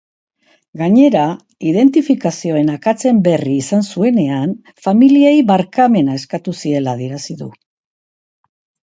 Gainera, identifikazioen akatsen berri izan zuenean familiei barkamena eskatu ziela adierazi du.